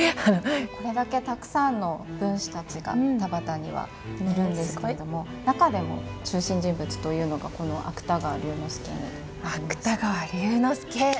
これだけたくさんの文士たちが田端にはいるんですけれども中でも中心人物というのがこの芥川龍之介になります。